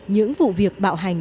những vụ việc bạo hành